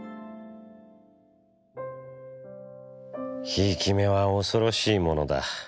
「贔屓目は恐ろしいものだ。